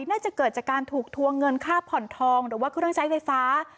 น่าจะเกิดจากการถูกทวงเงินค่าผ่อนทองหรือว่าเครื่องใช้ไฟฟ้า